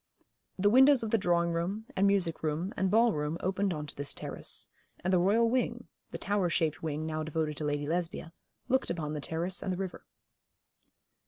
The windows of the drawing room, and music room, and ballroom opened on to this terrace, and the royal wing the tower shaped wing now devoted to Lady Lesbia, looked upon the terrace and the river.